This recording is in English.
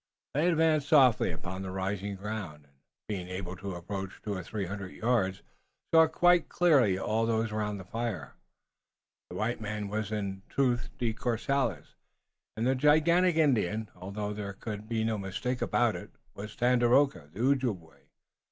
They advanced softly upon rising ground, and being able to approach two or three hundred yards, saw quite clearly all those around the fire. The white man was in truth De Courcelles, and the gigantic Indian, although there could have been no mistake about him, was Tandakora, the Ojibway.